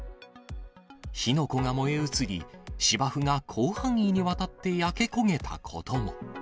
火の粉が燃え移り、芝生が広範囲にわたって焼け焦げたことも。